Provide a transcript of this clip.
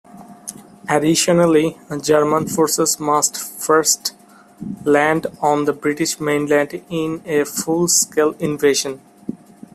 Additionally, German forces must first land on the British mainland in a full-scale invasion.